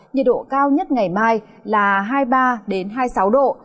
nhiệt độ cao nhất ngày mai là hai mươi ba hai mươi sáu độ